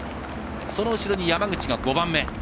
その後ろ、山口が５番目。